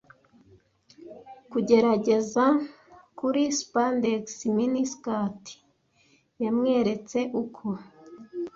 kugerageza kuri spandex miniskirt. Yamweretse uko